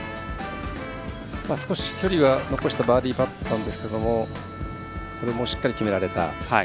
少し距離は残したバーディーパットだったんですがこれもしっかり決められた。